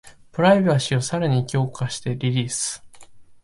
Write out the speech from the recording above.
プライバシーをさらに強化してリリース